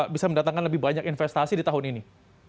bisa mendatangkan lebih banyak investasi di tahun ini